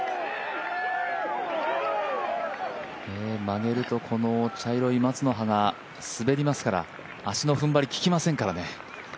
曲げるとこの茶色い松の葉が滑りますから足のふんばり、ききませんからね。